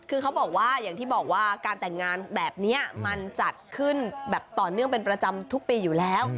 คือเขาบอกว่าอย่างที่บอกว่าการแต่งงานแบบนี้มันจัดขึ้นแบบต่อเนื่องเป็นประจำทุกปีอยู่แล้ว